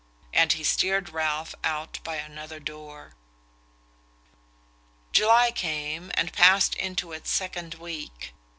and he steered Ralph out by another door. July came, and passed into its second week.